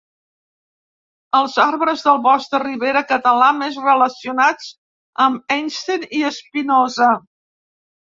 Els arbres de bosc de ribera català més relacionats amb Einstein i Espinosa.